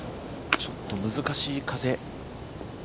ちょっと難しい風。